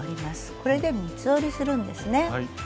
これで三つ折りするんですね。